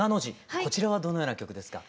こちらはどのような曲ですか？